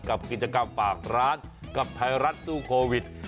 กับกิจกรรมฝากร้านกับไทยรัฐสู้โควิด